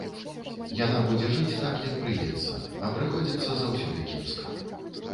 Яна будзе жыць так, як прыйдзецца, а прыходзіцца заўсёды кепска.